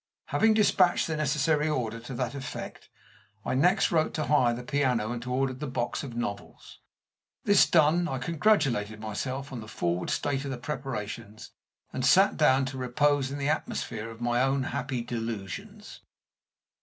Having dispatched the necessary order to that effect, I next wrote to hire the piano and to order the box of novels. This done, I congratulated myself on the forward state of the preparations, and sat down to repose in the atmosphere of my own happy delusions.